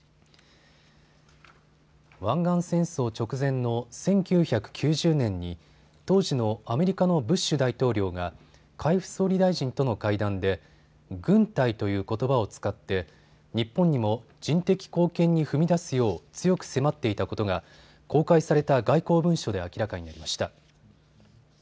湾岸戦争直前の１９９０年に当時のアメリカのブッシュ大統領が海部総理大臣との会談で軍隊ということばを使って日本にも人的貢献に踏み出すよう強く迫っていたことが公開された外交文書で明らかになりました。